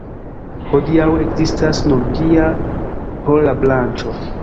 Hodiaŭ ekzistas nur ĝia pola branĉo.